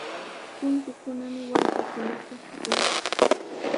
Kintikunami waytakunata shuqun.